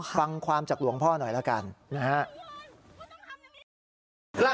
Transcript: ฟังความจากหลวงพ่อหน่อยละกันนะครับ